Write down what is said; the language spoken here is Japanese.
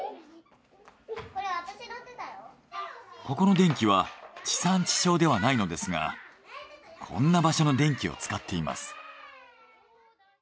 ここの電気は地産地消ではないのですがこんな場所の電気を使っています。